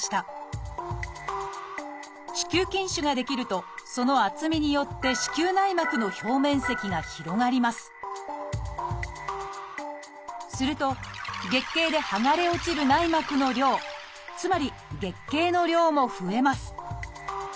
子宮筋腫が出来るとその厚みによって子宮内膜の表面積が広がりますすると月経ではがれ落ちる内膜の量つまり月経の量も増えます。